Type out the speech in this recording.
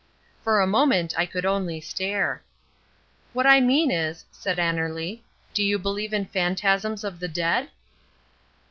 For a moment I could only stare. "What I mean is," said Annerly, "do you believe in phantasms of the dead?"